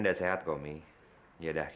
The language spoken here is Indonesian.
masa itu menurutmu fasilitas minister